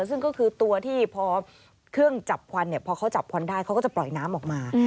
ซึ่งก็คือตัวที่พอเครื่องจับควันพอเขาจับควันได้เขาก็จะปล่อยน้ำออกมา